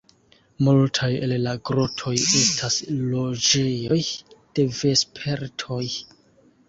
Multaj el la grotoj estas loĝejoj de vespertoj.